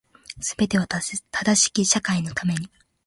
全ては正しき社会のために